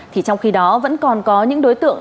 thì trong khi đó vẫn còn có những đối tượng